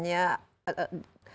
animo untuk pendapatan orang tua